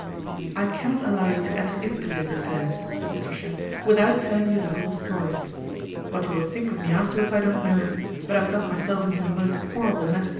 " I cannot allow you to enter into this affair/' said Patricia, " without telling you the whole story. What you will think of me afterwards I don't know ; but I've got myself into a most horrible mess."